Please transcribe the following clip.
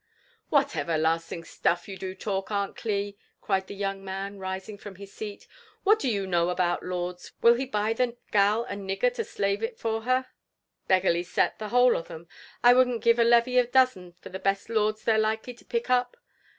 " "What everlasting staff yau do talk* Aunt Cli!" cried the young man, rising from his seat. '* What do you know about lords? Will he buy the g$l a nigger to slave it for her? Beggarly set the whola of 'em! I wouldn't give a levy a dozen for the best lords they're likely to pick up!